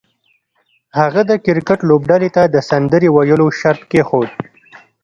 هغه د کرکټ لوبډلې ته د سندرې ویلو شرط کېښود